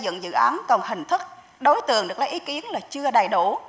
đối tượng xây dựng dự án còn hình thức đối tượng được lấy ý kiến là chưa đầy đủ